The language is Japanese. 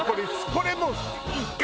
これもう１回。